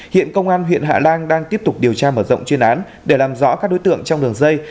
hiện công an huyện hạ lan đang tiếp tục điều tra mở rộng chuyên án để làm rõ các đối tượng trong đường dây